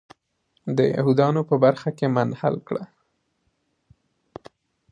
د یهودانو په برخه کې منحل کړه.